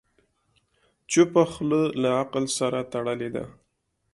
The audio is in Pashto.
چپه خوله، له عقل سره تړلې ده.